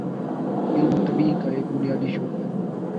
علم طبیعی کا ایک بنیادی شعبہ ہے